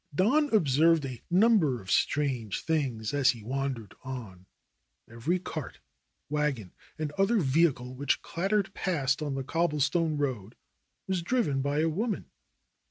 Don observed a number of strange things as he wan dered on. Every cart, wagon and other vehicle which clattered past on the cobblestone road was driven by a woman.